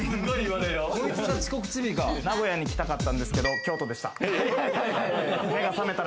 名古屋に来たかったんですけど、京都でした。